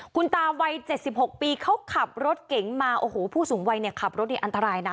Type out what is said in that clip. คุณตาวัย๗๖ปีเขาขับรถเก๋งมาโอ้โหผู้สูงวัยเนี่ยขับรถนี่อันตรายนะ